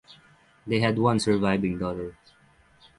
They had one surviving daughter.